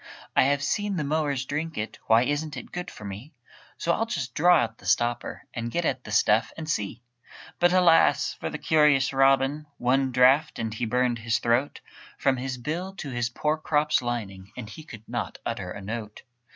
"I have seen the mowers drink it Why isn't it good for me? So I'll just draw out the stopper And get at the stuff, and see!" But alas! for the curious Robin, One draught, and he burned his throat From his bill to his poor crop's lining, And he could not utter a note.